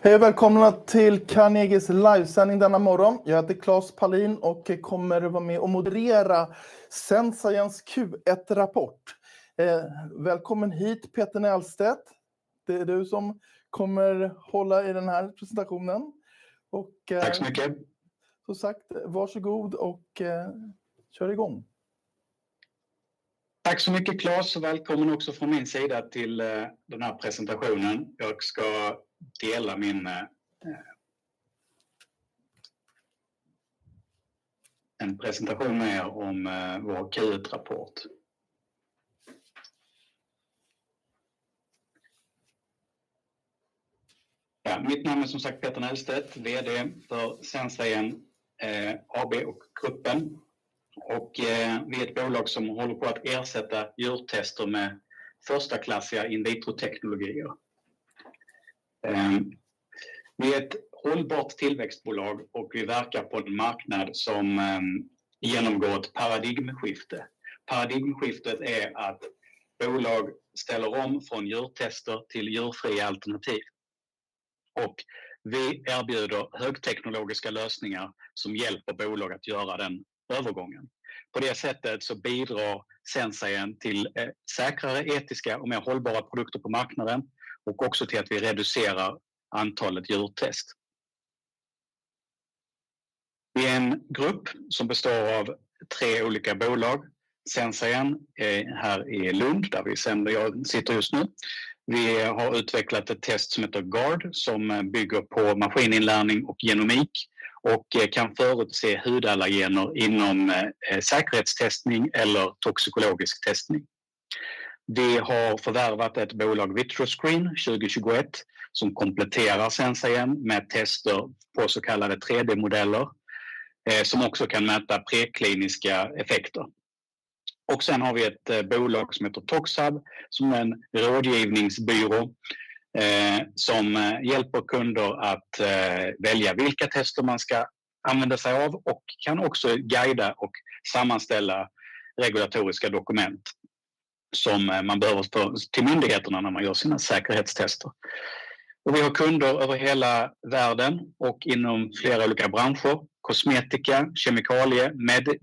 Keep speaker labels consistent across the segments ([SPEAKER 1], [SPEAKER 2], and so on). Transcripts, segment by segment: [SPEAKER 1] Hej och välkomna till Carnegies livesändning denna morgon. Jag heter Claes Palin och kommer att vara med och moderera SensaGens Q1-rapport. Välkommen hit, Peter Nahlstedt. Det är du som kommer att hålla i den här presentationen.
[SPEAKER 2] Tack så mycket.
[SPEAKER 1] Som sagt, varsågod och kör igång.
[SPEAKER 2] Tack så mycket, Claes. Välkommen också från min sida till den här presentationen. Jag ska dela min presentation med om vår Q1-rapport. Mitt namn är som sagt Peter Nahlstedt, VD för SensaGen AB och gruppen. Vi är ett bolag som håller på att ersätta djurtester med förstaklassiga in vitro-teknologier. Vi är ett hållbart tillväxtbolag och vi verkar på en marknad som genomgår ett paradigmskifte. Paradigmskiftet är att bolag ställer om från djurtester till djurfria alternativ. Vi erbjuder högteknologiska lösningar som hjälper bolag att göra den övergången. På det sättet bidrar SensaGen till säkrare, etiska och mer hållbara produkter på marknaden och också till att vi reducerar antalet djurtester. Vi är en grupp som består av tre olika bolag. SensaGen är här i Lund där vi sitter just nu. Vi har utvecklat ett test som heter GARD som bygger på maskininlärning och genomik och kan förutse hudallergener inom säkerhetstestning eller toxikologisk testning. Vi har förvärvat ett bolag, VitroScreen, 2021 som kompletterar SensaGen med tester på så kallade 3D-modeller som också kan mäta prekliniska effekter. Sen har vi ett bolag som heter ToxHub som är en rådgivningsbyrå som hjälper kunder att välja vilka tester man ska använda sig av och kan också guida och sammanställa regulatoriska dokument som man behöver till myndigheterna när man gör sina säkerhetstester. Vi har kunder över hela världen och inom flera olika branscher: kosmetika, kemikalier,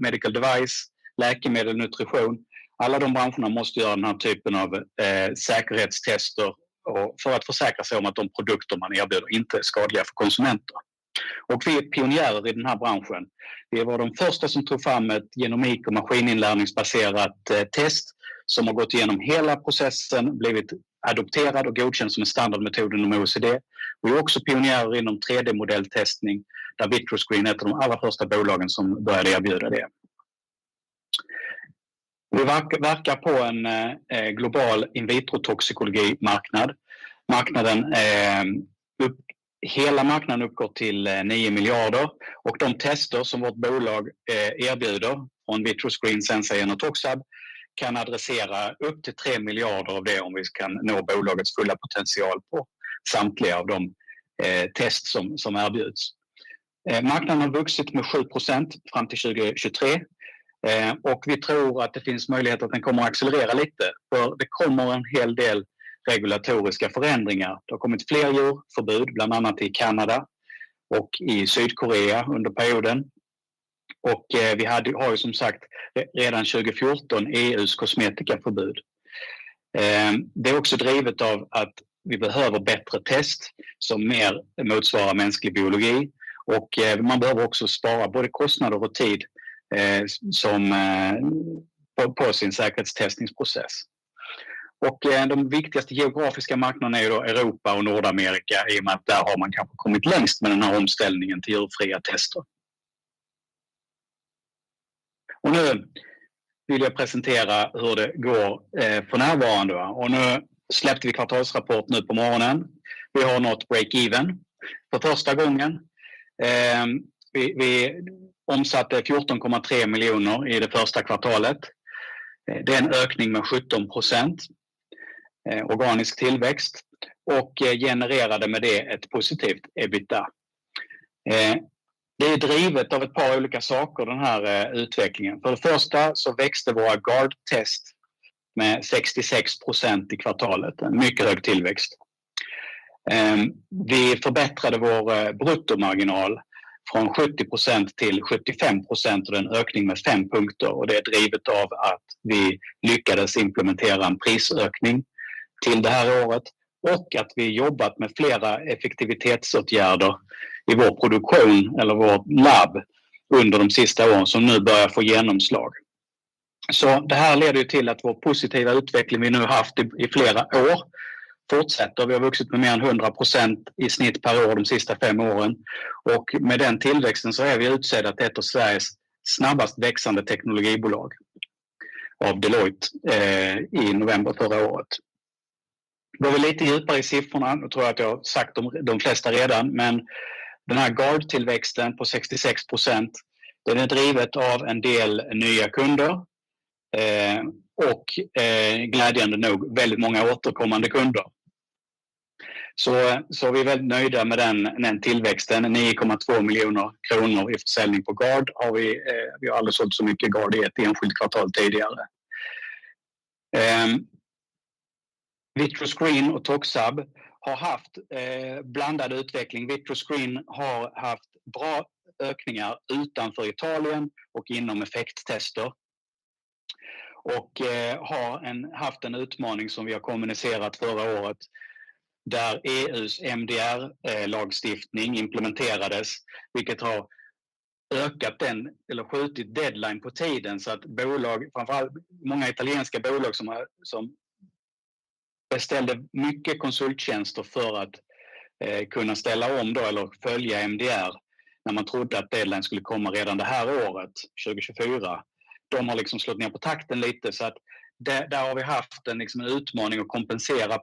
[SPEAKER 2] medical device, läkemedel, nutrition. Alla de branscherna måste göra den här typen av säkerhetstester för att försäkra sig om att de produkter man erbjuder inte är skadliga för konsumenter. Vi är pionjärer i den här branschen. Vi var de första som tog fram ett genomik- och maskininlärningsbaserat test som har gått igenom hela processen, blivit adopterad och godkänd som en standardmetod inom OECD. Vi är också pionjärer inom 3D-modelltestning där VitroScreen är ett av de allra första bolagen som började erbjuda det. Vi verkar på en global in vitro-toxikologimarknad. Hela marknaden uppgår till 9 miljarder och de tester som vårt bolag erbjuder från VitroScreen, SensaGen och ToxHub kan adressera upp till 3 miljarder av det om vi kan nå bolagets fulla potential på samtliga av de test som erbjuds. Marknaden har vuxit med 7% fram till 2023 och vi tror att det finns möjlighet att den kommer att accelerera lite för det kommer en hel del regulatoriska förändringar. Det har kommit fler djurförbud, bland annat i Kanada och i Sydkorea under perioden. Vi har ju som sagt redan 2014 EU:s kosmetikaförbud. Det är också drivet av att vi behöver bättre test som mer motsvarar mänsklig biologi. Man behöver också spara både kostnader och tid som på sin säkerhetstestningsprocess. De viktigaste geografiska marknaderna är ju då Europa och Nordamerika i och med att där har man kanske kommit längst med den här omställningen till djurfria tester. Nu vill jag presentera hur det går för närvarande. Nu släppte vi kvartalsrapport nu på morgonen. Vi har nått break-even för första gången. Vi omsatte 14,3 miljoner i det första kvartalet. Det är en ökning med 17% organisk tillväxt och genererade med det ett positivt EBITDA. Det är drivet av ett par olika saker, den här utvecklingen. För det första så växte våra GARD-test med 66% i kvartalet, en mycket hög tillväxt. Vi förbättrade vår bruttomarginal från 70% till 75% och det är en ökning med fem punkter. Det är drivet av att vi lyckades implementera en prisökning till det här året och att vi jobbat med flera effektivitetsåtgärder i vår produktion eller vårt labb under de sista åren som nu börjar få genomslag. Det här leder ju till att vår positiva utveckling vi nu haft i flera år fortsätter. Vi har vuxit med mer än 100% i snitt per år de sista fem åren. Med den tillväxten så är vi utsedda till ett av Sveriges snabbast växande teknologibolag av Deloitte i november förra året. Går vi lite djupare i siffrorna, då tror jag att jag har sagt de flesta redan, men den här GARD-tillväxten på 66% är drivet av en del nya kunder och glädjande nog väldigt många återkommande kunder. Vi är väldigt nöjda med den tillväxten. 9,2 miljoner kronor i försäljning på GARD. Vi har aldrig sålt så mycket GARD i ett enskilt kvartal tidigare. VitroScreen och ToxHub har haft blandad utveckling. VitroScreen har haft bra ökningar utanför Italien och inom effekttester. De har haft en utmaning som vi har kommunicerat förra året där EU:s MDR-lagstiftning implementerades, vilket har ökat den eller skjutit deadline på tiden så att bolag, framför allt många italienska bolag som beställde mycket konsulttjänster för att kunna ställa om då eller följa MDR när man trodde att deadline skulle komma redan det här året, 2024. De har slått ner på takten lite så att där har vi haft en utmaning att kompensera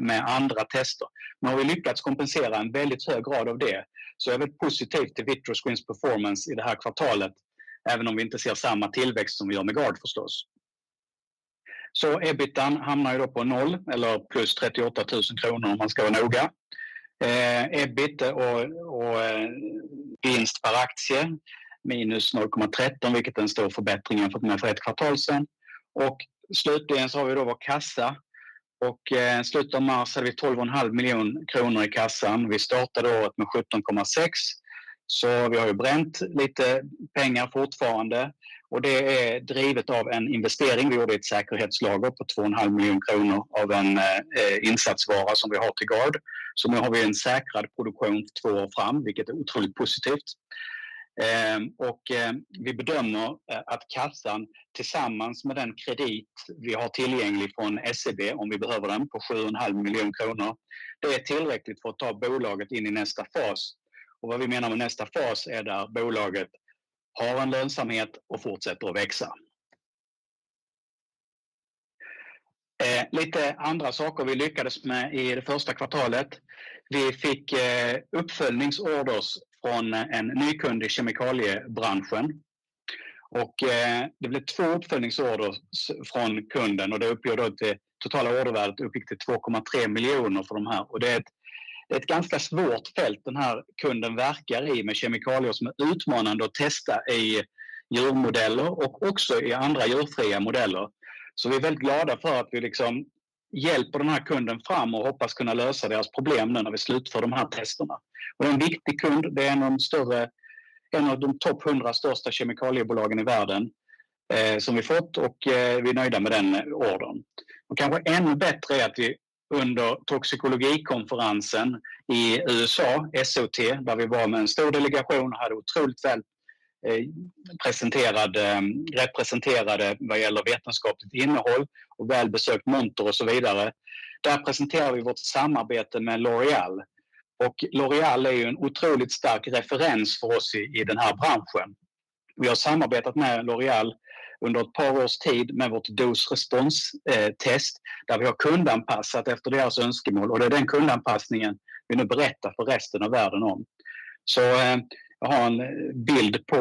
[SPEAKER 2] med andra tester. Nu har vi lyckats kompensera en väldigt hög grad av det. Så jag är väldigt positiv till VitroScreens performance i det här kvartalet, även om vi inte ser samma tillväxt som vi gör med GARD, förstås. EBITDA hamnar då på noll eller plus 38 000 kronor om man ska vara noga. EBIT och vinst per aktie minus 0,13 kr, vilket är en stor förbättring jag har fått med för ett kvartal sen. Slutligen har vi vår kassa. I slutet av mars hade vi 12,5 miljoner kronor i kassan. Vi startade året med 17,6 miljoner kronor. Vi har bränt lite pengar fortfarande. Det är drivet av en investering vi gjorde i ett säkerhetslager på 2,5 miljoner kronor av en insatsvara som vi har till GARD. Nu har vi en säkrad produktion två år fram, vilket är otroligt positivt. Vi bedömer att kassan tillsammans med den kredit vi har tillgänglig från SEB, om vi behöver den, på 7,5 miljoner kronor, det är tillräckligt för att ta bolaget in i nästa fas. Vad vi menar med nästa fas är där bolaget har en lönsamhet och fortsätter att växa. Lite andra saker vi lyckades med i det första kvartalet. Vi fick uppföljningsorders från en ny kund i kemikaliebranschen. Det blev två uppföljningsorders från kunden och det uppgår då till totala ordervärdet uppgick till 2,3 miljoner för de här. Det är ett ganska svårt fält den här kunden verkar i med kemikalier som är utmanande att testa i djurmodeller och också i andra djurfria modeller. Vi är väldigt glada för att vi liksom hjälper den här kunden fram och hoppas kunna lösa deras problem nu när vi slutför de här testerna. Det är en viktig kund. Det är en av de topp 100 största kemikaliebolagen i världen som vi fått och vi är nöjda med den ordern. Kanske ännu bättre är att vi under toxikologikonferensen i USA, SOT, där vi var med en stor delegation och hade otroligt väl representerade vad gäller vetenskapligt innehåll och väl besökt monter och så vidare. Där presenterade vi vårt samarbete med L'Oréal. L'Oréal är ju en otroligt stark referens för oss i den här branschen. Vi har samarbetat med L'Oréal under ett par års tid med vårt dos-respons-test där vi har kundanpassat efter deras önskemål. Det är den kundanpassningen vi nu berättar för resten av världen om. Så jag har en bild på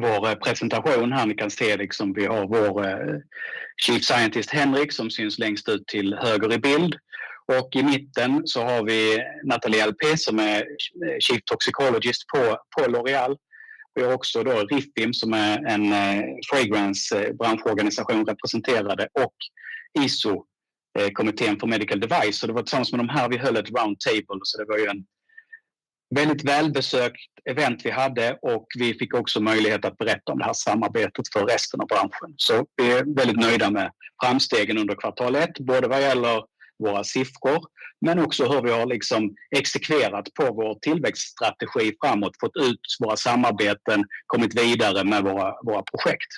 [SPEAKER 2] vår presentation här. Ni kan se att vi har vår Chief Scientist Henrik som syns längst ut till höger i bild. I mitten så har vi Natalie Alpé som är Chief Toxicologist på L'Oréal. Vi har också RIFM som är en fragrance-branschorganisation representerade och ISO-kommittén för medical device. Det var tillsammans med de här vi höll ett roundtable. Det var ju en väldigt välbesökt event vi hade och vi fick också möjlighet att berätta om det här samarbetet för resten av branschen. Vi är väldigt nöjda med framstegen under kvartal ett, både vad gäller våra siffror men också hur vi har exekverat på vår tillväxtstrategi framåt, fått ut våra samarbeten, kommit vidare med våra projekt.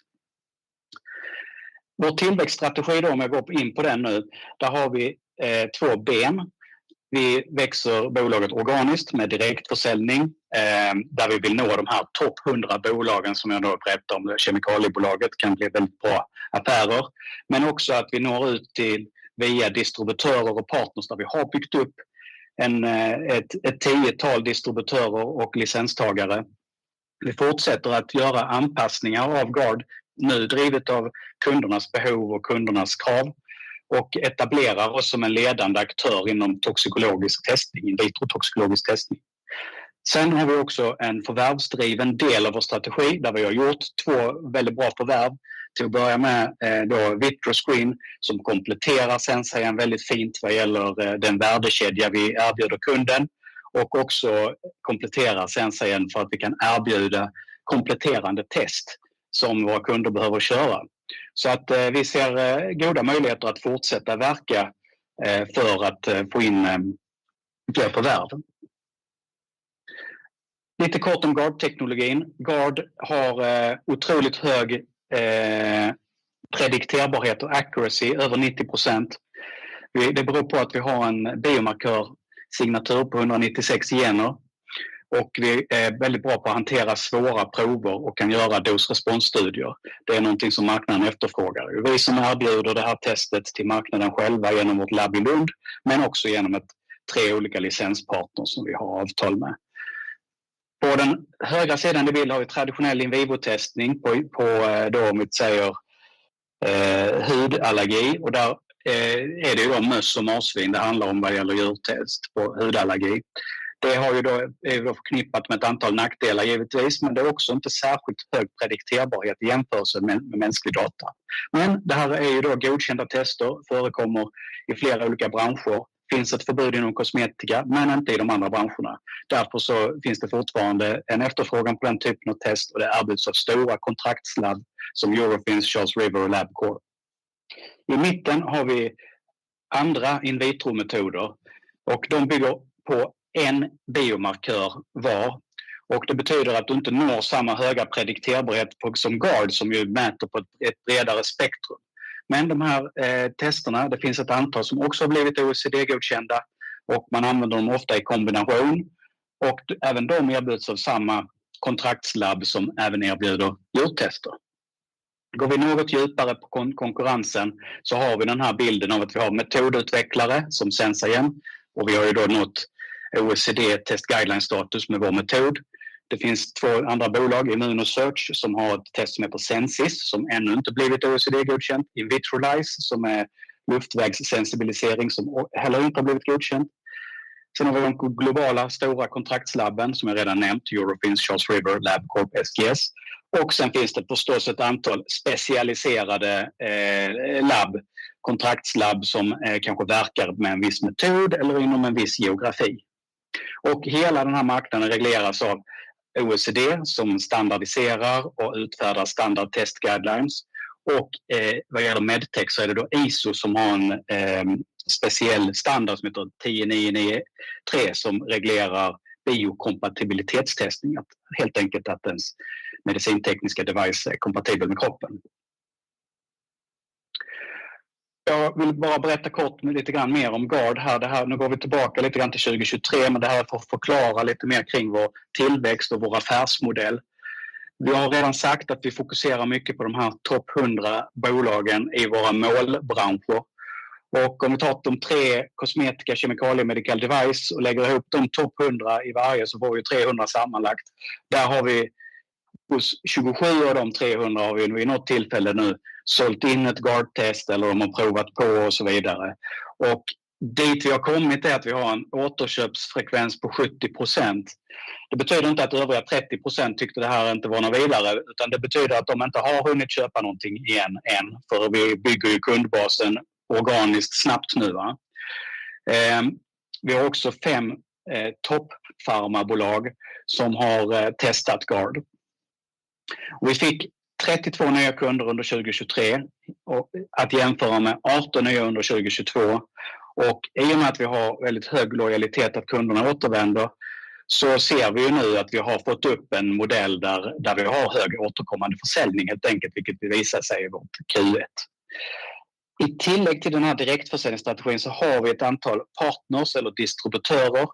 [SPEAKER 2] Vår tillväxtstrategi, om jag går in på den nu, där har vi två ben. Vi växer bolaget organiskt med direktförsäljning där vi vill nå de här topp 100 bolagen som jag berättade om. Kemikaliebolaget kan bli väldigt bra affärer. Men också att vi når ut till via distributörer och partners där vi har byggt upp ett tiotal distributörer och licenstagare. Vi fortsätter att göra anpassningar av GARD nu, drivet av kundernas behov och kundernas krav och etablerar oss som en ledande aktör inom vitrotoxikologisk testning. Sen har vi också en förvärvsdriven del av vår strategi där vi har gjort två väldigt bra förvärv. Till att börja med VitroScreen som kompletterar SensaGen väldigt fint vad gäller den värdekedja vi erbjuder kunden och också kompletterar SensaGen för att vi kan erbjuda kompletterande test som våra kunder behöver köra. Så vi ser goda möjligheter att fortsätta verka för att få in fler förvärv. Lite kort om GARD-teknologin. GARD har otroligt hög predikterbarhet och accuracy, över 90%. Det beror på att vi har en biomarkörsignatur på 196 gener och vi är väldigt bra på att hantera svåra prover och kan göra dos-responsstudier. Det är någonting som marknaden efterfrågar. Det är vi som erbjuder det här testet till marknaden själva genom vårt labb i Lund men också genom tre olika licenspartners som vi har avtal med. På den högra sidan i bild har vi traditionell in vitro-testning om vi säger hudallergi. Där är det ju då möss och marsvin. Det handlar om vad gäller djurtest på hudallergi. Det är ju då förknippat med ett antal nackdelar, givetvis, men det är också inte särskilt hög predikterbarhet i jämförelse med mänsklig data. Men det här är ju då godkända tester, förekommer i flera olika branscher. Det finns ett förbud inom kosmetika men inte i de andra branscherna. Därför så finns det fortfarande en efterfrågan på den typen av test och det erbjuds av stora kontraktslabb som Eurofins, Charles River och Labcorps. I mitten har vi andra in vitro-metoder och de bygger på en biomarkör var. Det betyder att du inte når samma höga predikterbarhet som GARD, som ju mäter på ett bredare spektrum. Men de här testerna, det finns ett antal som också har blivit OECD-godkända och man använder dem ofta i kombination. Även de erbjuds av samma kontraktslabb som även erbjuder djurtester. Går vi något djupare på konkurrensen så har vi den här bilden av att vi har metodutvecklare som SensaGen och vi har ju då nått OECD-testguideline-status med vår metod. Det finns två andra bolag, ImmunoSearch, som har ett test som heter Sensys som ännu inte blivit OECD-godkänt. In Vitrolyse, som är luftvägssensibilisering, som heller inte har blivit godkänt. Sen har vi de globala stora kontraktslabben, som jag redan nämnt, Eurofins, Charles River, Labcorps, SGS. Sen finns det förstås ett antal specialiserade labb, kontraktslabb, som kanske verkar med en viss metod eller inom en viss geografi. Hela den här marknaden regleras av OECD som standardiserar och utfärdar standardtestguidelines. Vad gäller MedTech så är det då ISO som har en speciell standard som heter 10993 som reglerar biokompatibilitetstestning. Helt enkelt att ens medicintekniska device är kompatibel med kroppen. Jag vill bara berätta kort lite grann mer om GARD här. Nu går vi tillbaka lite grann till 2023, men det här är för att förklara lite mer kring vår tillväxt och vår affärsmodell. Vi har redan sagt att vi fokuserar mycket på de här topp 100 bolagen i våra målbranscher. Om vi tar de tre kosmetika, kemikalier, medical device och lägger ihop de topp 100 i varje så får vi ju 300 sammanlagt. Där har vi hos 27 av de 300 har vi vid något tillfälle nu sålt in ett GARD-test eller de har provat på och så vidare. Dit vi har kommit är att vi har en återköpsfrekvens på 70%. Det betyder inte att övriga 30% tyckte det här inte var något vidare utan det betyder att de inte har hunnit köpa någonting igen än. För vi bygger ju kundbasen organiskt snabbt nu. Vi har också fem toppfarmabolag som har testat GARD. Vi fick 32 nya kunder under 2023 och att jämföra med 18 nya under 2022. I och med att vi har väldigt hög lojalitet att kunderna återvänder så ser vi ju nu att vi har fått upp en modell där vi har hög återkommande försäljning, helt enkelt vilket vi visar sig i vårt Q1. I tillägg till den här direktförsäljningsstrategin så har vi ett antal partners eller distributörer.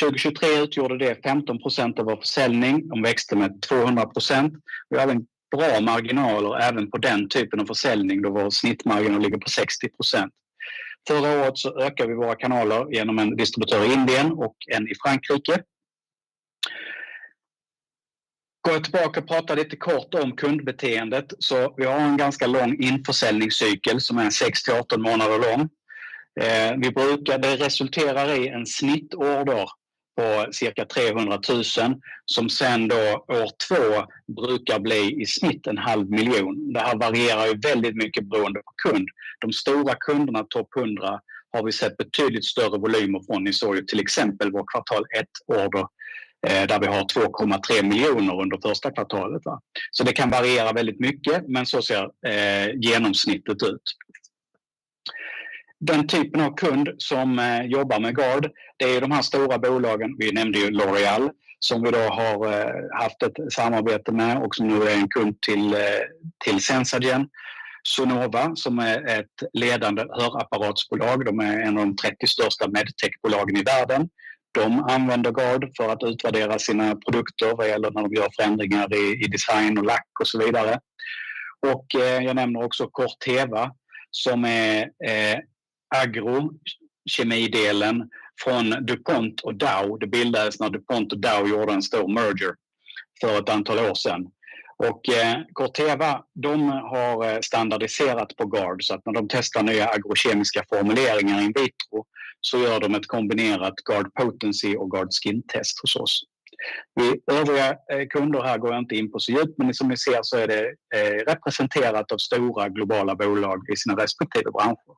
[SPEAKER 2] 2023 utgjorde det 15% av vår försäljning och växte med 200%. Vi har även bra marginaler även på den typen av försäljning då vår snittmarginal ligger på 60%. Förra året så ökade vi våra kanaler genom en distributör i Indien och en i Frankrike. Går jag tillbaka och pratar lite kort om kundbeteendet så vi har en ganska lång införsäljningscykel som är 6 till 18 månader lång. Det resulterar i en snittorder på cirka 300 000 kr som sen då år två brukar bli i snitt en halv miljon. Det här varierar ju väldigt mycket beroende på kund. De stora kunderna, topp 100, har vi sett betydligt större volymer från. Ni såg ju till exempel vår kvartal ett-order där vi har 2,3 miljoner under första kvartalet. Så det kan variera väldigt mycket, men så ser genomsnittet ut. Den typen av kund som jobbar med GARD, det är ju de här stora bolagen. Vi nämnde ju L'Oréal som vi då har haft ett samarbete med och som nu är en kund till SensaGen. Sonova, som är ett ledande hörapparatsbolag. De är en av de 30 största MedTech-bolagen i världen. De använder GARD för att utvärdera sina produkter vad gäller när de gör förändringar i design och lack och så vidare. Jag nämner också Corteva som är agrokemidelen från DuPont och Dow. Det bildades när DuPont och Dow gjorde en stor merger för ett antal år sedan. Corteva har standardiserat på GARD så att när de testar nya agrokemiska formuleringar in vitro så gör de ett kombinerat GARD Potency och GARD Skin-test hos oss. Övriga kunder här går jag inte in på så djupt, men som ni ser så är det representerat av stora globala bolag i sina respektive branscher.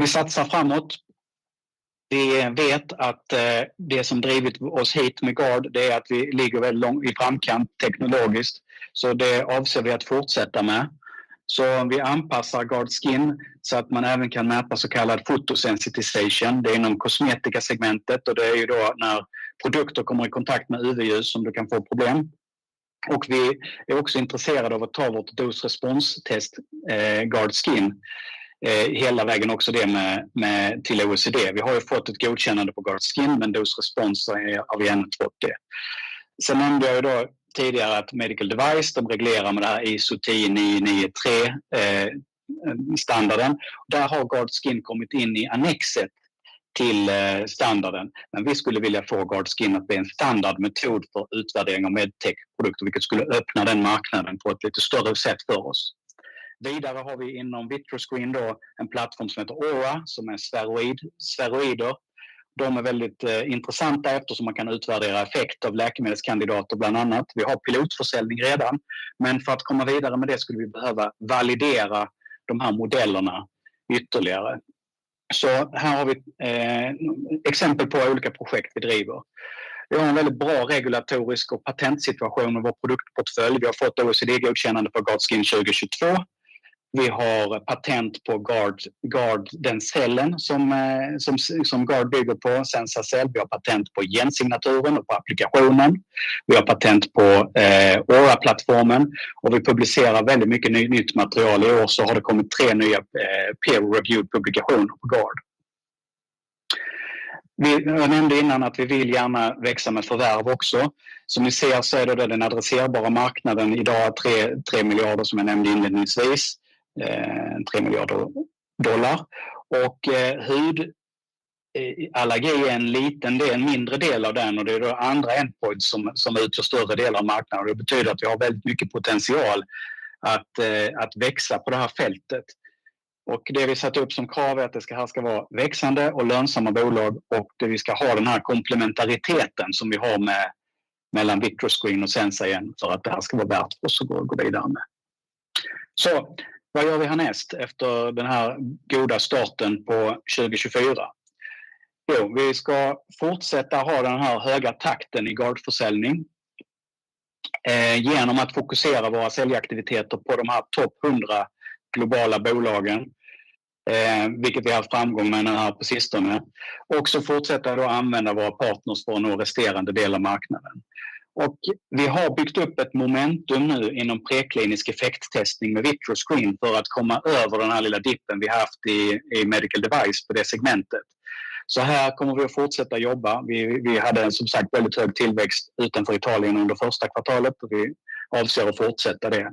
[SPEAKER 2] Vi satsar framåt. Vi vet att det som drivit oss hit med GARD, det är att vi ligger väldigt långt i framkant teknologiskt. Så det avser vi att fortsätta med. Så vi anpassar GARD Skin så att man även kan mäta så kallad photosensitization. Det är inom kosmetikasegmentet och det är ju då när produkter kommer i kontakt med UV-ljus som du kan få problem. Vi är också intresserade av att ta vårt dos-respons-test GARD Skin hela vägen också det med till OECD. Vi har ju fått ett godkännande på GARD Skin, men dos-respons har vi ännu inte fått det. Sen nämnde jag ju då tidigare att medical device, de reglerar med det här ISO 10993-standarden. Där har GARD Skin kommit in i annexet till standarden. Men vi skulle vilja få GARD Skin att bli en standardmetod för utvärdering av MedTech-produkter, vilket skulle öppna den marknaden på ett lite större sätt för oss. Vidare har vi inom VitroScreen en plattform som heter ORA, som är steroider. De är väldigt intressanta eftersom man kan utvärdera effekt av läkemedelskandidater, bland annat. Vi har pilotförsäljning redan, men för att komma vidare med det skulle vi behöva validera de här modellerna ytterligare. Här har vi ett exempel på olika projekt vi driver. Vi har en väldigt bra regulatorisk och patentsituation i vår produktportfölj. Vi har fått OECD-godkännande på GARD Skin 2022. Vi har patent på GARD, den cell som GARD bygger på, SensaCell. Vi har patent på gensignaturen och på applikationen. Vi har patent på ORA-plattformen och vi publicerar väldigt mycket nytt material. I år har det kommit tre nya peer-reviewed publikationer på GARD. Jag nämnde innan att vi gärna vill växa med förvärv också. Som ni ser är det den adresserbara marknaden. Idag är det $3 miljarder, som jag nämnde inledningsvis, $3 miljarder. Hudallergi är en liten, det är en mindre del av den och det är då andra endpoints som utgör större delar av marknaden. Det betyder att vi har väldigt mycket potential att växa på det här fältet. Det vi satt upp som krav är att det här ska vara växande och lönsamma bolag och det vi ska ha den här komplementariteten som vi har mellan VitroScreen och SensaGen för att det här ska vara värt för oss att gå vidare med. Så vad gör vi härnäst efter den här goda starten på 2024? Jo, vi ska fortsätta ha den här höga takten i GARD-försäljning genom att fokusera våra säljaktiviteter på de här topp 100 globala bolagen, vilket vi har haft framgång med nu här på sistone. Vi ska fortsätta att använda våra partners för att nå resterande del av marknaden. Vi har byggt upp ett momentum nu inom preklinisk effekttestning med VitroScreen för att komma över den här lilla dippen vi haft i medical device på det segmentet. Så här kommer vi att fortsätta jobba. Vi hade som sagt väldigt hög tillväxt utanför Italien under första kvartalet och vi avser att fortsätta det.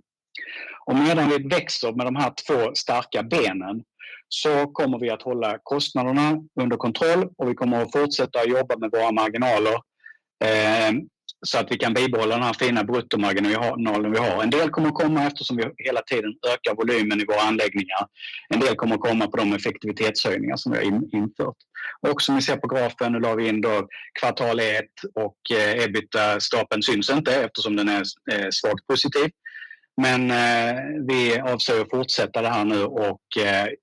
[SPEAKER 2] Medan vi växer med de här två starka benen så kommer vi att hålla kostnaderna under kontroll och vi kommer att fortsätta att jobba med våra marginaler så att vi kan bibehålla den här fina bruttomarginalen vi har. En del kommer att komma eftersom vi hela tiden ökar volymen i våra anläggningar. En del kommer att komma på de effektivitetshöjningar som vi har infört. Och som ni ser på grafen, nu la vi in då kvartal ett och EBITDA-stapeln syns inte eftersom den är svagt positiv. Men vi avser att fortsätta det här nu och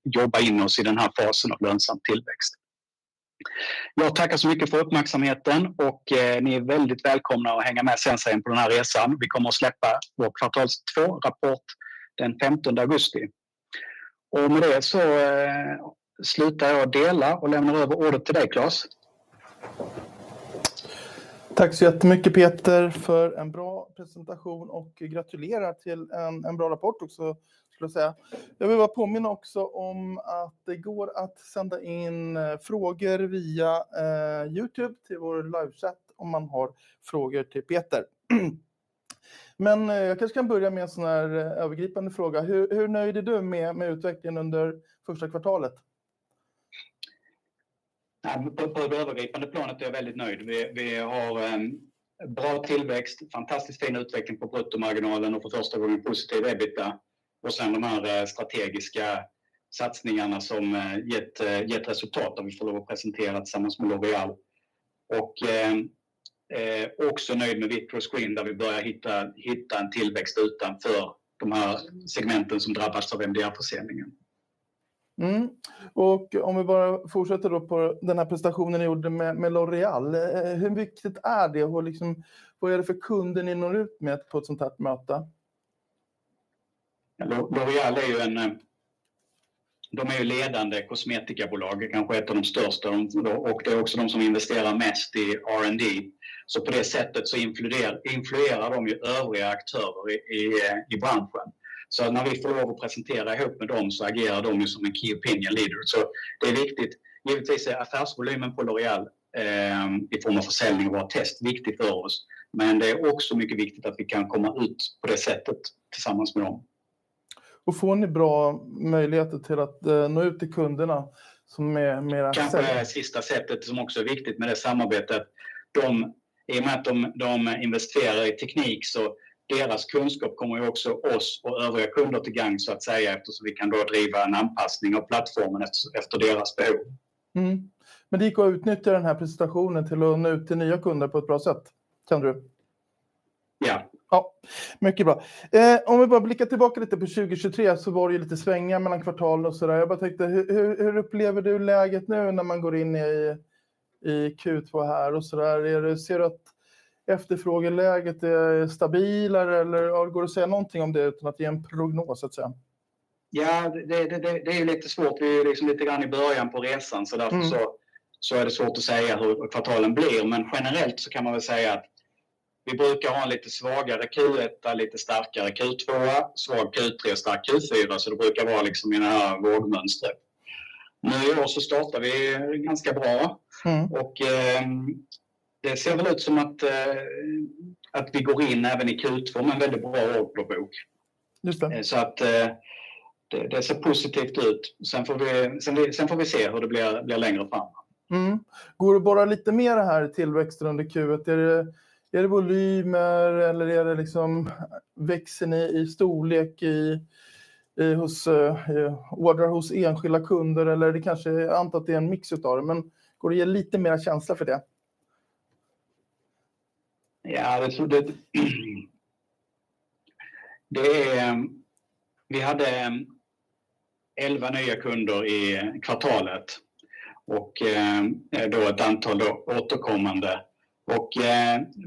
[SPEAKER 2] jobba in oss i den här fasen av lönsam tillväxt. Jag tackar så mycket för uppmärksamheten och ni är väldigt välkomna att hänga med SensaGen på den här resan. Vi kommer att släppa vår kvartals två-rapport den 15 augusti. Med det så slutar jag dela och lämnar över ordet till dig, Claes. Tack så jättemycket, Peter, för en bra presentation och gratulerar till en bra rapport också, skulle jag säga. Jag vill bara påminna också om att det går att sända in frågor via YouTube till vår livesändning om man har frågor till Peter. Men jag kanske kan börja med en sån här övergripande fråga. Hur nöjd är du med utvecklingen under första kvartalet? På det övergripande planet är jag väldigt nöjd. Vi har bra tillväxt, fantastiskt fin utveckling på bruttomarginalen och för första gången positiv EBITDA. Och sen de här strategiska satsningarna som gett resultat där vi får lov att presentera tillsammans med L'Oréal. Också nöjd med VitroScreen där vi börjar hitta en tillväxt utanför de här segmenten som drabbats av MDR-försäljningen. Om vi bara fortsätter då på den här presentationen ni gjorde med L'Oréal. Hur viktigt är det och vad är det för kunden ni når ut med på ett sånt här möte? L'Oréal är ju en... De är ju ledande kosmetikabolag, kanske ett av de största. Det är också de som investerar mest i R&D. På det sättet så influerar de ju övriga aktörer i branschen. När vi får lov att presentera ihop med dem så agerar de ju som en key opinion leader. Det är viktigt. Givetvis är affärsvolymen på L'Oréal i form av försäljning och våra test viktig för oss. Men det är också mycket viktigt att vi kan komma ut på det sättet tillsammans med dem. Får ni bra möjligheter till att nå ut till kunderna som är med aktör? Kanske är sista sättet som också är viktigt med det samarbetet. I och med att de investerar i teknik så deras kunskap kommer ju också oss och övriga kunder till gagn så att säga eftersom vi kan då driva en anpassning av plattformen efter deras behov. Men det gick att utnyttja den här presentationen till att nå ut till nya kunder på ett bra sätt, känner du? Ja. Ja, mycket bra. Om vi bara blickar tillbaka lite på 2023 så var det ju lite svängningar mellan kvartalen och så där. Jag bara tänkte, hur upplever du läget nu när man går in i Q2 här och så där? Ser du att efterfrågeläget är stabilare eller går det att säga någonting om det utan att ge en prognos, så att säga? Ja, det är ju lite svårt. Vi är lite grann i början på resan så därför så är det svårt att säga hur kvartalen blir. Men generellt så kan man väl säga att vi brukar ha en lite svagare Q1, lite starkare Q2, svag Q3 och stark Q4. Så det brukar vara liksom i det här vågmönstret. Nu i år så startar vi ganska bra och det ser väl ut som att vi går in även i Q2 med en väldigt bra orderbok. Just det. Så att det ser positivt ut. Sen får vi se hur det blir längre fram. Går det bara lite mer det här tillväxten under Q1? Är det volymer eller är det liksom växer ni i storlek i hos ordrar hos enskilda kunder eller är det kanske... Jag antar att det är en mix av det, men går det att ge lite mera känsla för det? Ja, det är så. Det är... Vi hade elva nya kunder i kvartalet och då ett antal återkommande.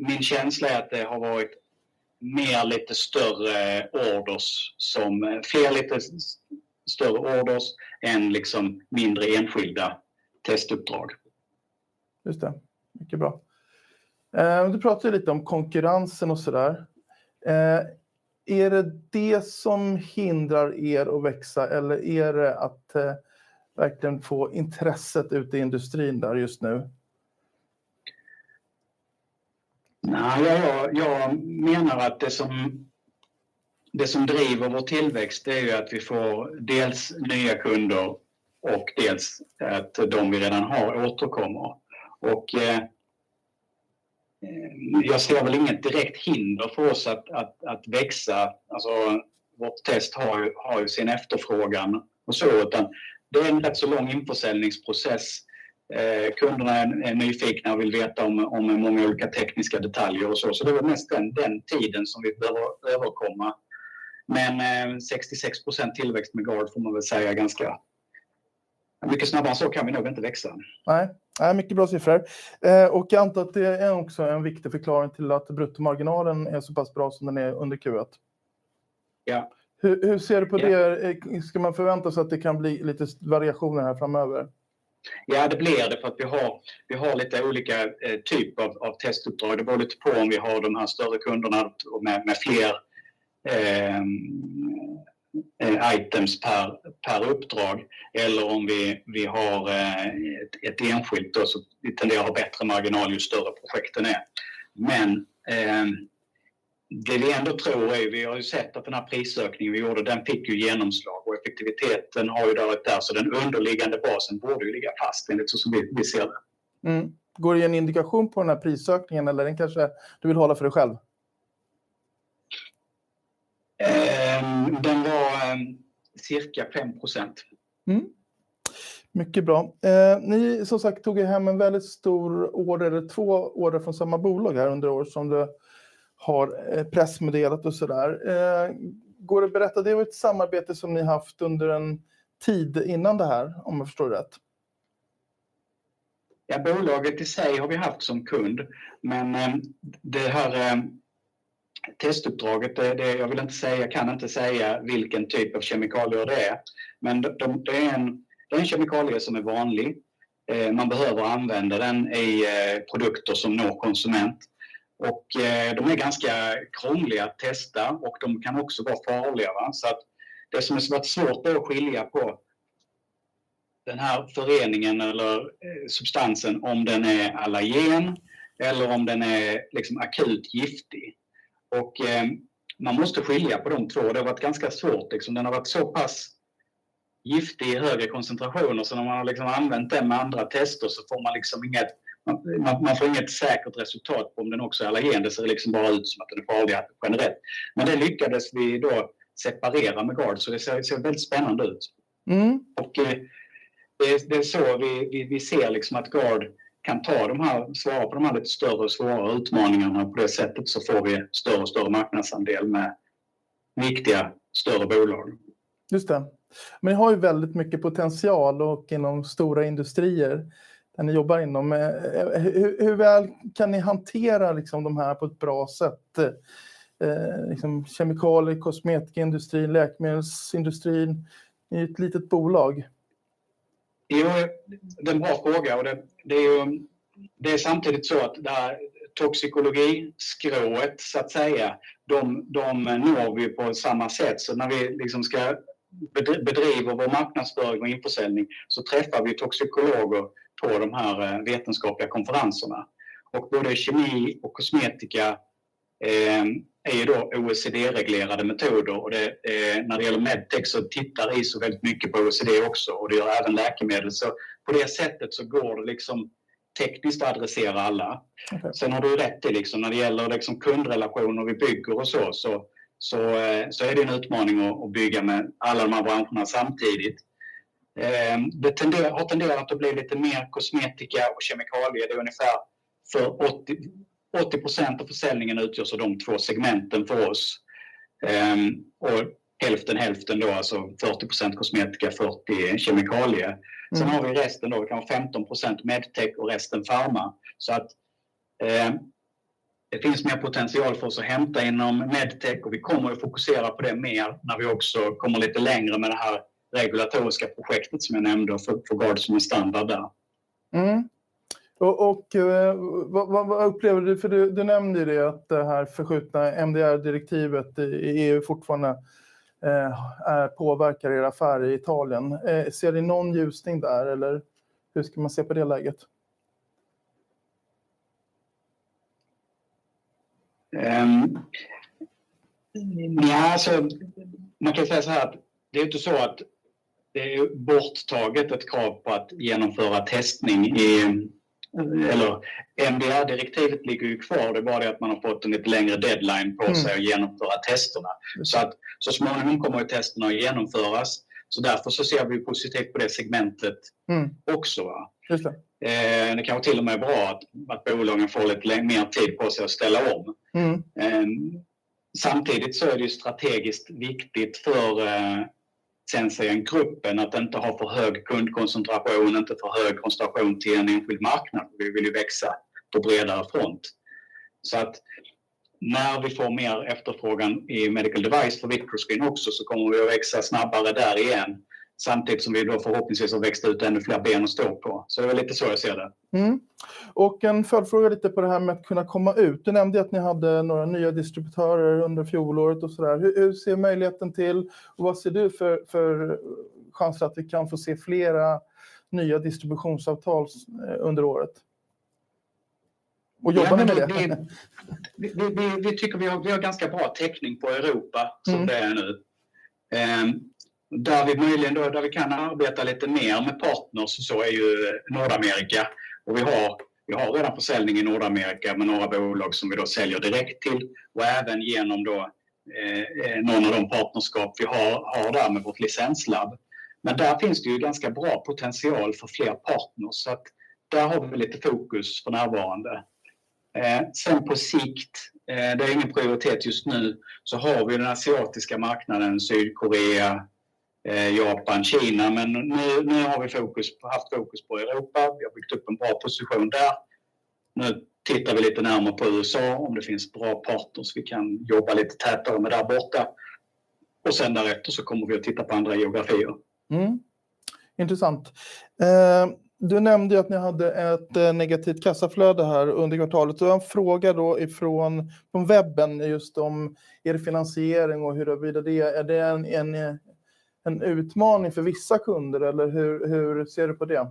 [SPEAKER 2] Min känsla är att det har varit mer lite större ordrar som fler lite större ordrar än liksom mindre enskilda testuppdrag. Just det. Mycket bra. Du pratar ju lite om konkurrensen och så där. Är det det som hindrar att växa eller är det att verkligen få intresset ute i industrin där just nu? Nej, jag menar att det som driver vår tillväxt är ju att vi får dels nya kunder och dels att de vi redan har återkommer. Och jag ser väl inget direkt hinder för oss att växa. Alltså, vårt test har ju sin efterfrågan och så, utan det är en rätt så lång införsäljningsprocess. Kunderna är nyfikna och vill veta om många olika tekniska detaljer och så. Så det är väl mest den tiden som vi behöver överkomma. Men 66% tillväxt med GARD får man väl säga ganska... Mycket snabbare än så kan vi nog inte växa. Nej, nej, mycket bra siffror. Och jag antar att det är också en viktig förklaring till att bruttomarginalen är så pass bra som den är under Q1. Ja. Hur ser du på det? Ska man förvänta sig att det kan bli lite variationer här framöver? Ja, det blir det för att vi har lite olika typ av testuppdrag. Det beror lite på om vi har de här större kunderna och med fler items per uppdrag eller om vi har ett enskilt då så vi tenderar att ha bättre marginal ju större projekten är. Men det vi ändå tror är ju... Vi har ju sett att den här prisökningen vi gjorde, den fick ju genomslag och effektiviteten har ju varit där. Så den underliggande basen borde ju ligga fast enligt så som vi ser det. Går det i en indikation på den här prisökningen eller är den kanske... Du vill hålla för dig själv? Den var cirka 5%. Mycket bra. Ni, som sagt, tog ju hem en väldigt stor order eller två order från samma bolag här under året som du har pressmeddelat och så där. Går det att berätta? Det var ju ett samarbete som ni haft under en tid innan det här, om jag förstår det rätt? Ja, bolaget i sig har vi haft som kund, men det här testuppdraget... det är... Jag vill inte säga... Jag kan inte säga vilken typ av kemikalier det är, men det är en kemikalie som är vanlig. Man behöver använda den i produkter som når konsument och de är ganska krångliga att testa och de kan också vara farliga. Så det som har varit svårt är att skilja på den här föreningen eller substansen om den är allergen eller om den är akut giftig. Och man måste skilja på de två. Det har varit ganska svårt. Den har varit så pass giftig i högre koncentrationer så när man har använt den med andra tester så får man inget... Man får inget säkert resultat på om den också är allergen. Det ser det liksom bara ut som att den är farlig generellt. Men det lyckades vi då separera med GARD så det ser väldigt spännande ut. Och det är så vi ser att GARD kan ta de här... Svara på de här lite större och svåra utmaningarna på det sättet så får vi större och större marknadsandel med viktiga, större bolag. Just det. Men ni har ju väldigt mycket potential inom stora industrier där ni jobbar inom. Hur väl kan ni hantera de här på ett bra sätt? Kemikaliekosmetikindustrin, läkemedelsindustrin. Ni är ju ett litet bolag. Jo, det är en bra fråga och det är ju... Det är samtidigt så att det här toxikologiskrået, så att säga, de når vi ju på samma sätt. När vi ska bedriva vår marknadsföring och införsäljning träffar vi toxikologer på de här vetenskapliga konferenserna. Både kemi och kosmetika är OECD-reglerade metoder. När det gäller MedTech tittar ISO väldigt mycket på OECD också och det gör även läkemedel. På det sättet går det tekniskt att adressera alla. Sen har du rätt när det gäller kundrelationer vi bygger, det är en utmaning att bygga med alla de här branscherna samtidigt. Det har tenderat att bli lite mer kosmetika och kemikalier. Ungefär 80% av försäljningen utgörs av de två segmenten för oss, hälften-hälften, alltså 40% kosmetika, 40% kemikalier. Sen har vi resten, vi kan vara 15% MedTech och resten pharma. Så att det finns mer potential för oss att hämta inom MedTech och vi kommer att fokusera på det mer när vi också kommer lite längre med det här regulatoriska projektet som jag nämnde och får GARD som en standard där. Vad upplever du? För du nämnde ju det att det här förskjutna MDR-direktivet i EU fortfarande påverkar affär i Italien. Ser ni någon ljusning där eller hur ska man se på det läget? Nej, alltså man kan ju säga så här att det är ju inte så att det är borttaget ett krav på att genomföra testning i... MDR-direktivet ligger ju kvar. Det är bara det att man har fått en lite längre deadline på sig att genomföra testerna. Så småningom kommer ju testerna att genomföras. Därför så ser vi ju positivt på det segmentet också. Just det. Det kanske till och med är bra att bolagen får lite mer tid på sig att ställa om. Samtidigt så är det ju strategiskt viktigt för SensaGen-gruppen att inte ha för hög kundkoncentration, inte för hög koncentration till en enskild marknad. För vi vill ju växa på bredare front. Så att när vi får mer efterfrågan i Medical Device för VitroScreen också så kommer vi att växa snabbare där igen, samtidigt som vi då förhoppningsvis har växt ut ännu fler ben att stå på. Så det är väl lite så jag ser det. Och en följdfråga lite på det här med att kunna komma ut. Du nämnde ju att ni hade några nya distributörer under fjolåret och så där. Hur ser möjligheten till och vad ser du för chanser att vi kan få se flera nya distributionsavtal under året? Och jobbar ni med det? Vi tycker vi har ganska bra täckning på Europa som det är nu, där vi möjligen kan arbeta lite mer med partners. Nordamerika är ett område där vi har potential. Vi har redan försäljning i Nordamerika med några bolag som vi säljer direkt till och även genom något av de partnerskap vi har där med vårt licenslabb. Men där finns det ganska bra potential för fler partners, så där har vi lite fokus för närvarande. Sen på sikt, det är ingen prioritet just nu, så har vi den asiatiska marknaden: Sydkorea, Japan, Kina. Men nu har vi haft fokus på Europa. Vi har byggt upp en bra position där. Nu tittar vi lite närmare på USA om det finns bra partners vi kan jobba lite tätare med där borta. Och sen därefter så kommer vi att titta på andra geografier. Intressant. Du nämnde ju att ni hade ett negativt kassaflöde här under kvartalet. Du har en fråga då från webben just om finansiering och huruvida det är en utmaning för vissa kunder eller hur ser du på det?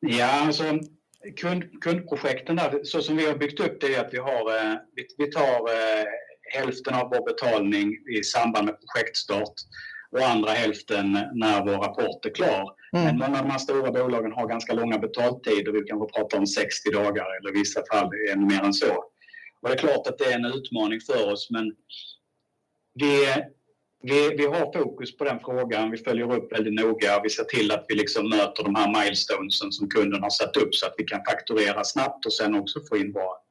[SPEAKER 2] Ja, alltså kundprojekten där så som vi har byggt upp det är ju att vi tar hälften av vår betalning i samband med projektstart och andra hälften när vår rapport är klar. Men många av de här stora bolagen har ganska långa betaltider. Vi kanske pratar om 60 dagar eller i vissa fall ännu mer än så. Det är klart att det är en utmaning för oss, men vi har fokus på den frågan. Vi följer upp väldigt noga. Vi ser till att vi liksom möter de här milestones som kunden har satt upp så att vi kan fakturera snabbt och sen också få in bra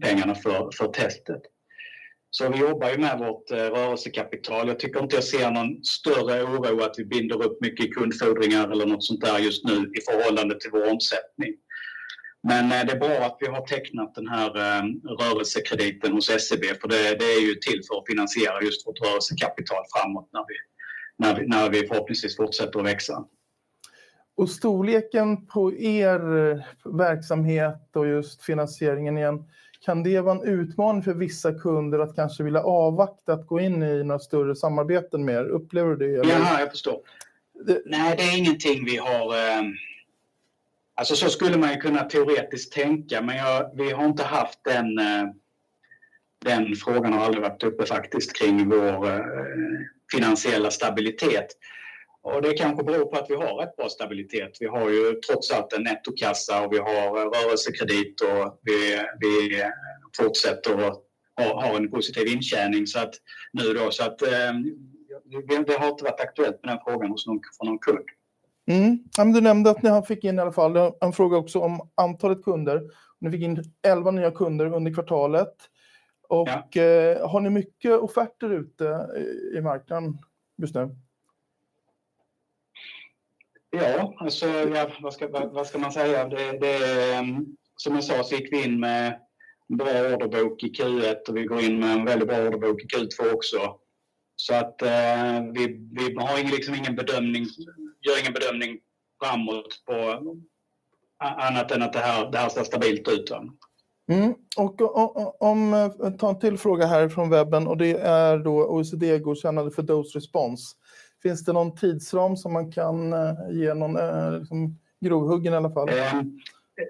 [SPEAKER 2] pengarna för testet. Vi jobbar ju med vårt rörelsekapital. Jag tycker inte jag ser någon större oro att vi binder upp mycket i kundfordringar eller något sånt där just nu i förhållande till vår omsättning. Men det är bra att vi har tecknat den här rörelsekrediten hos SEB, för det är ju till för att finansiera just vårt rörelsekapital framåt när vi förhoppningsvis fortsätter att växa. Storleken på verksamhet och just finansieringen igen. Kan det vara en utmaning för vissa kunder att kanske vilja avvakta att gå in i några större samarbeten mer? Upplever du det? Ja, jag förstår. Nej, det är ingenting vi har. Alltså, så skulle man ju kunna teoretiskt tänka, men vi har inte haft den. Den frågan har aldrig varit uppe faktiskt kring vår finansiella stabilitet. Och det kanske beror på att vi har rätt bra stabilitet. Vi har ju trots allt en nettokassa och vi har rörelsekredit och vi fortsätter att ha en positiv intjäning. Så att jag det har inte varit aktuellt med den frågan hos någon från någon kund. Ja, men du nämnde att ni fick in i alla fall en fråga också om antalet kunder. Ni fick in elva nya kunder under kvartalet och har ni mycket offerter ute i marknaden just nu? Ja, vad ska man säga? Det är som jag sa så gick vi in med en bra orderbok i Q1 och vi går in med en väldigt bra orderbok i Q2 också. Så att vi har ingen liksom ingen bedömning. Gör ingen bedömning framåt på annat än att det här ser stabilt ut. Om vi tar en till fråga härifrån webben och det är då OECD godkännande för dose response. Finns det någon tidsram som man kan ge någon liksom grovhuggen i alla fall?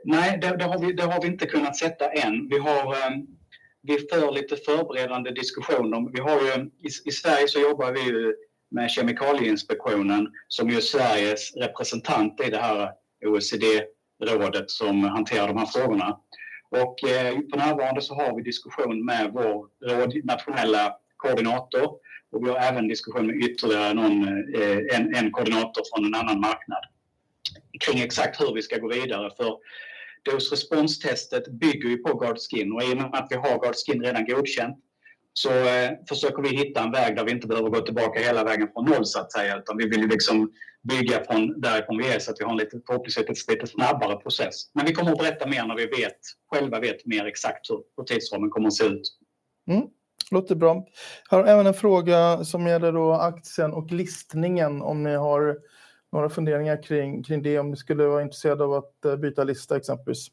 [SPEAKER 2] Nej, det har vi inte kunnat sätta än. Vi har för lite förberedande diskussioner. Vi har ju i Sverige så jobbar vi ju med Kemikalieinspektionen som ju är Sveriges representant i det här OECD-rådet som hanterar de här frågorna. På närvarande så har vi diskussion med vår nationella koordinator och vi har även diskussion med ytterligare någon koordinator från en annan marknad kring exakt hur vi ska gå vidare. För dose response-testet bygger ju på GARD-Skin och i och med att vi har GARD-Skin redan godkänt så försöker vi hitta en väg där vi inte behöver gå tillbaka hela vägen från noll, så att säga. Utan vi vill ju bygga från där vi är så att vi har en lite förhoppningsvis ett lite snabbare process. Men vi kommer att berätta mer när vi själva vet mer exakt hur tidsramen kommer att se ut. Låter bra. Jag har även en fråga som gäller aktien och listningen. Om ni har några funderingar kring det. Om ni skulle vara intresserade av att byta lista exempelvis?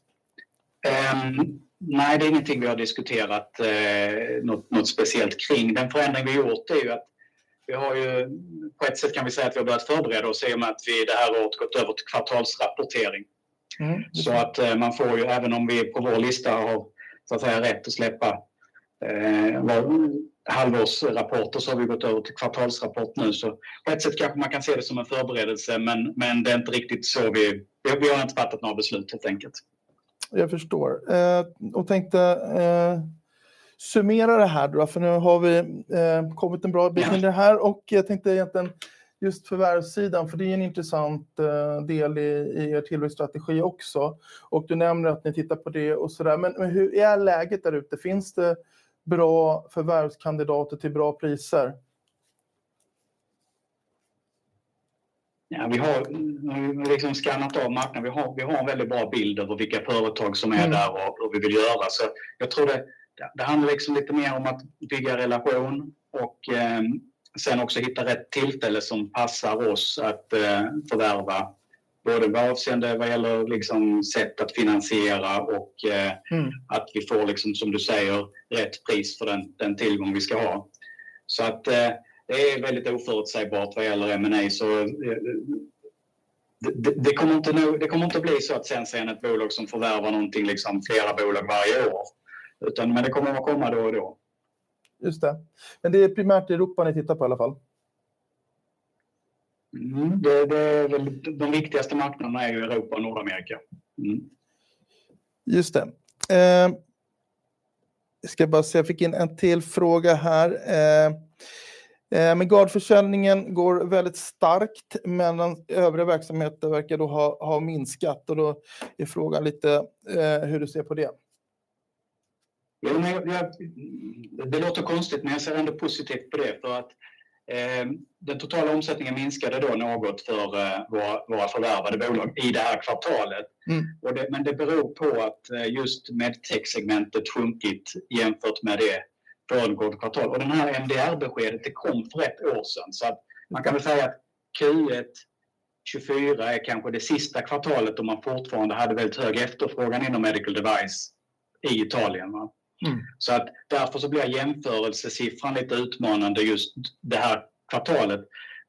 [SPEAKER 2] Nej, det är ingenting vi har diskuterat något speciellt kring. Den förändring vi har gjort är ju att vi har ju på ett sätt kan vi säga att vi har börjat förbereda oss i och med att vi det här året gått över till kvartalsrapportering. Så att man får ju, även om vi på vår lista har så att säga rätt att släppa vår halvårsrapport, så har vi gått över till kvartalsrapport nu. Så på ett sätt kanske man kan se det som en förberedelse, men det är inte riktigt så vi. Vi har inte fattat några beslut helt enkelt. Jag förstår och tänkte summera det här då. För nu har vi kommit en bra bit in i det här och jag tänkte egentligen just förvärvssidan, för det är ju en intressant del i tillväxtstrategi också. Och du nämner att ni tittar på det och så där. Men hur är läget där ute? Finns det bra förvärvskandidater till bra priser? Ja, vi har scannat av marknaden. Vi har en väldigt bra bild över vilka företag som är där och vad vi vill göra. Jag tror det handlar lite mer om att bygga relation och sen också hitta rätt tillfälle som passar oss att förvärva både vad avseende vad gäller sätt att finansiera och att vi får rätt pris för den tillgång vi ska ha. Det är väldigt oförutsägbart vad gäller M&A. Det kommer inte att bli så att Sensa är ett bolag som förvärvar någonting flera bolag varje år, utan det kommer att komma då och då. Men det är primärt Europa ni tittar på i alla fall. Det är väl de viktigaste marknaderna är ju Europa och Nordamerika. Just det. Jag ska bara se. Jag fick in en till fråga här. Men GARD-försäljningen går väldigt starkt, medan övriga verksamheter verkar då ha minskat. Då är frågan lite hur du ser på det? Jo, men jag ser ändå positivt på det för att den totala omsättningen minskade då något för våra förvärvade bolag i det här kvartalet. Men det beror på att just MedTech-segmentet sjunkit jämfört med det föregående kvartalet. Den här MDR-beskedet, det kom för ett år sedan så att man kan väl säga att Q1 2024 är kanske det sista kvartalet då man fortfarande hade väldigt hög efterfrågan inom Medical Device i Italien. Så därför så blir jämförelsesiffran lite utmanande just det här kvartalet.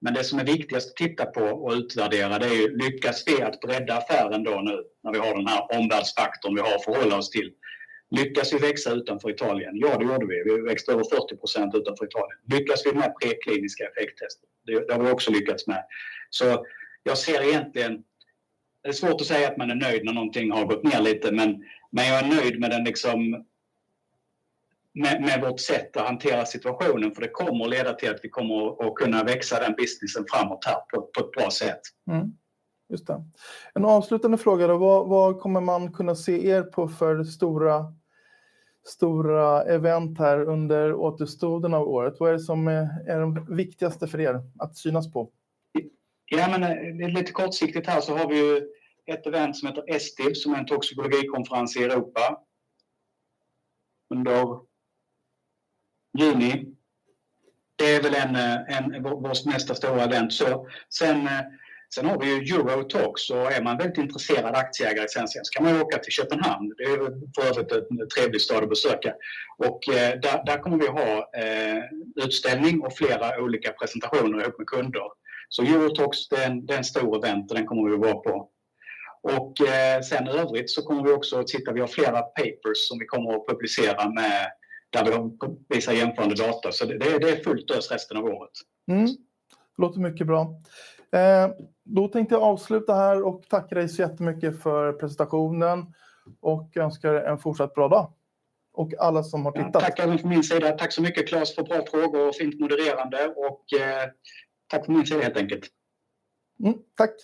[SPEAKER 2] Men det som är viktigast att titta på och utvärdera, det är ju lyckas vi att bredda affären då och nu när vi har den här omvärldsfaktorn vi har att förhålla oss till? Lyckas vi växa utanför Italien? Ja, det gjorde vi. Vi växte över 40% utanför Italien. Lyckas vi med prekliniska effekttester? Det har vi också lyckats med. Så jag ser egentligen... Det är svårt att säga att man är nöjd när någonting har gått ner lite, men jag är nöjd med vårt sätt att hantera situationen, för det kommer att leda till att vi kommer att kunna växa den businessen framåt här på ett bra sätt. Just det. En avslutande fråga då. Vad kommer man kunna se på för stora event här under återstoden av året? Vad är det som är de viktigaste för att synas på? Ja, men lite kortsiktigt här så har vi ju ett event som heter Estiv, som är en toxikologikonferens i Europa under juni. Det är väl vårt nästa stora event. Sen har vi ju Euro Talks och är man väldigt intresserad aktieägare i Sensa så kan man ju åka till Köpenhamn. Det är ju för övrigt en trevlig stad att besöka och där kommer vi ha utställning och flera olika presentationer ihop med kunder. Euro Talks, det är en stor event och den kommer vi att vara på. Sen i övrigt så kommer vi också att titta. Vi har flera papers som vi kommer att publicera med där vi visar jämförande data. Det är fullt ös resten av året. Låter mycket bra. Då tänkte jag avsluta här och tacka dig så jättemycket för presentationen och önska dig en fortsatt bra dag och alla som har tittat. Tackar från min sida. Tack så mycket Claes för bra frågor och fint modererande och tack från min sida helt enkelt. Tack!